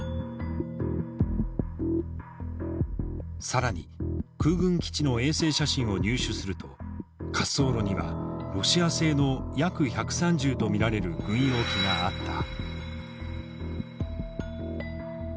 更に空軍基地の衛星写真を入手すると滑走路にはロシア製のＹａｋ−１３０と見られる軍用機があった。